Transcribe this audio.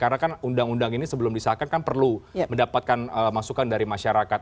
karena kan undang undang ini sebelum disahkan kan perlu mendapatkan masukan dari masyarakat